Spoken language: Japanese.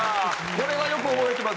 これはよく覚えてます？